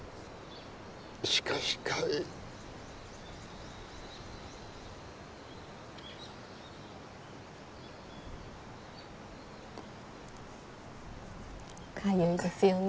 しかしかゆいかゆいですよね